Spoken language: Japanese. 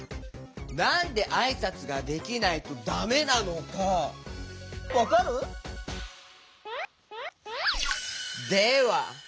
なんであいさつができないとだめなのかわかる？では。